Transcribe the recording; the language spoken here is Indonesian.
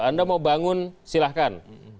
anda mau bangun silahkan